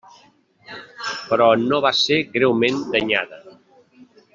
Però no va ser greument danyada.